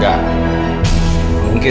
kamu inget ga